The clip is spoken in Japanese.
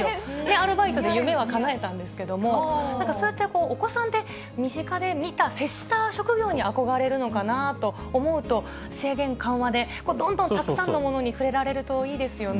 アルバイトで夢はかなえたんですけれども、なんかそうやってお子さんって、身近で見た、接した職業に憧れるのかなと思うと、制限緩和でどんどんたくさんのものに触れられるといいですよね。